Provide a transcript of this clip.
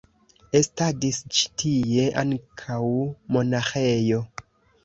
Estadis ĉi tie ankaŭ monaĥejo.